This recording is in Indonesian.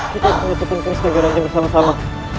kita harus menyatukan kursi geranti bersama sama